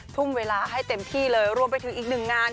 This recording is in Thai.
ทุ่มเวลาให้เต็มที่เลยรวมไปถึงอีกหนึ่งงาน